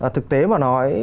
thực tế mà nói